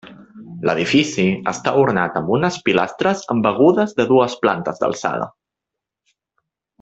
L'edifici està ornat amb unes pilastres embegudes de dues plantes d'alçada.